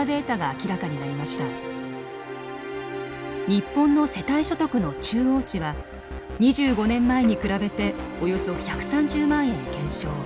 日本の世帯所得の中央値は２５年前に比べておよそ１３０万円減少。